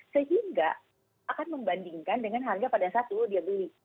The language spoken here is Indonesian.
sehingga akan membandingkan dengan harga pada saat dulu dia beli